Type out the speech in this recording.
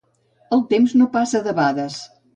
El temps no passa debades.